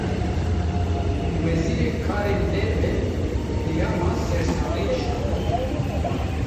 Wezîrê karên derve, peyama sersaxiyê şand